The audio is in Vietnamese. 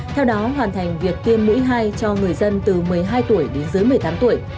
theo đó hoàn thành việc tiêm mũi hai cho người dân từ một mươi hai tuổi đến dưới một mươi tám tuổi